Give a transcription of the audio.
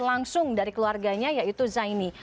langsung dari keluarganya yaitu zaini